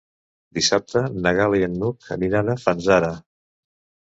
Dissabte na Gal·la i n'Hug aniran a Fanzara.